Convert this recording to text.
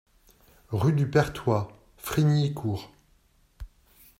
Rue du Perthois, Frignicourt